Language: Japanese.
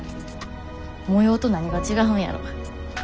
模様と何が違うんやろ。